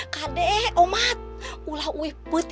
kade omat ulah weh betulnya ya